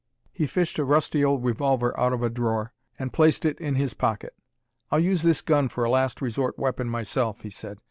He fished a rusty old revolver out of a drawer, and placed it in his pocket. "I'll use this gun for a last resort weapon myself," he said.